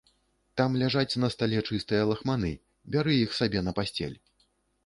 Там ляжаць на стале чыстыя лахманы, бяры іх сабе на пасцель.